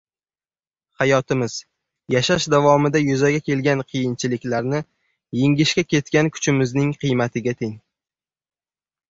Hayotimiz — yashash davomida yuzaga kelgan qiyinchiliklarni yengishga ketgan kuchimizning qiymatiga teng.